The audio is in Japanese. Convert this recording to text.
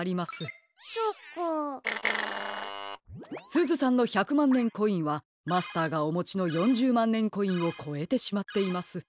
すずさんの１００まんねんコインはマスターがおもちの４０まんねんコインをこえてしまっています。